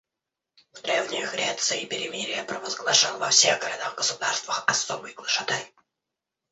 В древней Греции перемирие провозглашал во всех городах-государствах особый глашатай.